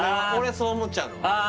そう思っちゃうのああ